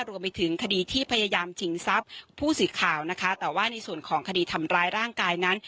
รวมไปถึงคดีที่พยายามชิงทรัพย์ผู้สื่อข่าวนะคะแต่ว่าในส่วนของคดีทำร้ายร่างกายนั้น